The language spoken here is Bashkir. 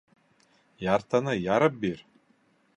Яртыны ярып бир!